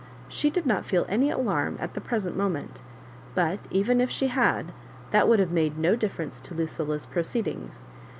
She did not feel any alarm lit the present moment ; but even if she had, that would have made no difierence to Lucilla's proceedings.